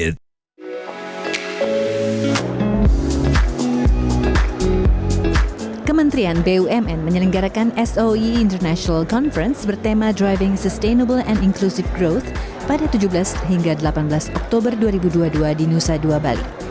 kementerian bumn menyelenggarakan soe international conference bertema driving sustainable and inclusive growth pada tujuh belas hingga delapan belas oktober dua ribu dua puluh dua di nusa dua bali